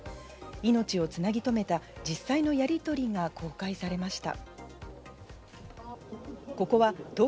命をつなぎとめた実際のやりとりが公開されました。